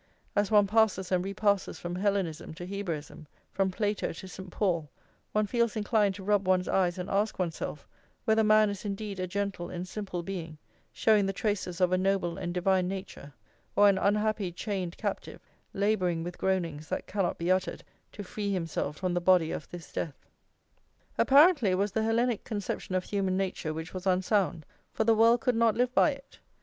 As one passes and repasses from Hellenism to Hebraism, from Plato to St. Paul, one feels inclined to rub one's eyes and ask oneself whether man is indeed a gentle and simple being, showing the traces of a noble and divine nature; or an unhappy chained captive, labouring with groanings that cannot be uttered to free himself from the body of this death. Apparently it was the Hellenic conception of human nature which was unsound, for the world could not live by it.